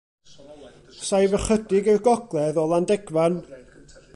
Saif ychydig i'r gogledd o Landegfan.